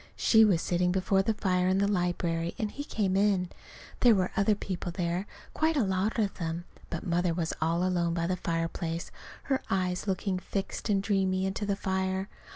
She was sitting before the fire in the library, and he came in. There were other people there, quite a lot of them; but Mother was all alone by the fireplace, her eyes looking fixed and dreamy into the fire.